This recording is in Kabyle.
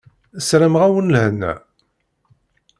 Sarameɣ-awen lehna.